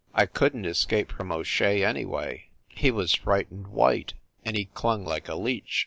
I couldn t escape from O Shea, anyway. He was frightened white, and he clung like a leech.